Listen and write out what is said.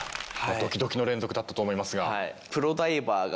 ドキドキの連続だったと思いますが。